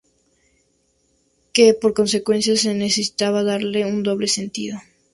Que por consecuencia se necesitaba darle un doble sentido.